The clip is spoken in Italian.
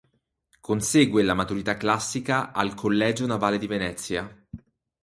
Consegue la Maturità classica al Collegio Navale di Venezia.